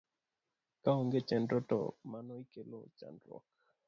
Kaonge chenro to mano ikelo chandruok